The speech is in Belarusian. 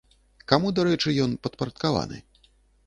Каму, дарэчы, ён падпарадкаваны?